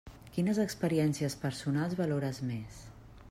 Quines experiències personals valores més?